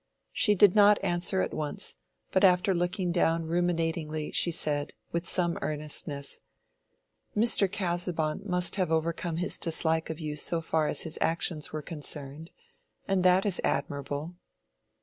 She did not answer at once, but after looking down ruminatingly she said, with some earnestness, "Mr. Casaubon must have overcome his dislike of you so far as his actions were concerned: and that is admirable."